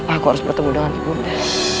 aku harus bertemu dengan ibu nda